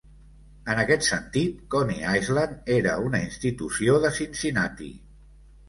En aquest sentit, Coney Island era una institució de Cincinnati.